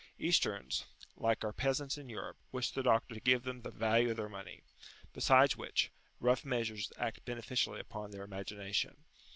Easterns, like our peasants in Europe, wish the doctor to "give them the value of their money." Besides which, rough measures act beneficially upon their imagination.